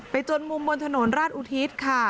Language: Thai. จนมุมบนถนนราชอุทิศค่ะ